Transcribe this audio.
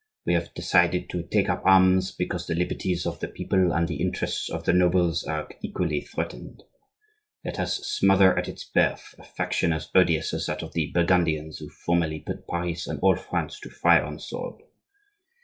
We have decided to take up arms because the liberties of the people and the interests of the nobles are equally threatened. Let us smother at its birth a faction as odious as that of the Burgundians who formerly put Paris and all France to fire and sword.